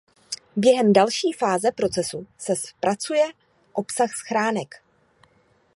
Během další fáze procesu se zpracuje obsah schránek.